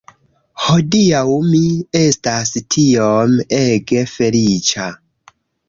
Hodiaŭ mi estas tiom ege feliĉa